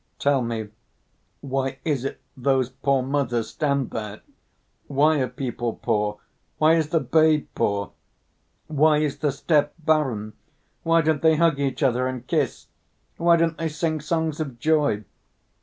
"Tell me why it is those poor mothers stand there? Why are people poor? Why is the babe poor? Why is the steppe barren? Why don't they hug each other and kiss? Why don't they sing songs of joy?